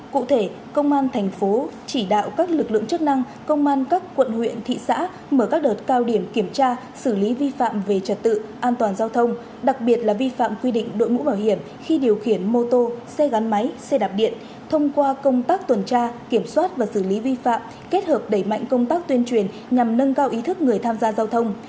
cụ thể công an thành phố chỉ đạo các lực lượng chức năng công an các quận huyện thị xã mở các đợt cao điểm kiểm tra xử lý vi phạm về trật tự an toàn giao thông đặc biệt là vi phạm quy định đội mũ bảo hiểm khi điều khiển mô tô xe gắn máy xe đạp điện thông qua công tác tuần tra kiểm soát và xử lý vi phạm kết hợp đẩy mạnh công tác tuyên truyền nhằm nâng cao ý thức người tham gia giao thông